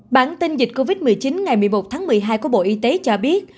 bản tin dịch covid một mươi chín ngày một mươi một tháng một mươi hai của bộ y tế cho biết